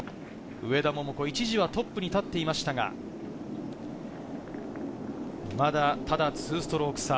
上田桃子、一時はトップに立っていましたが、ただ２ストローク差。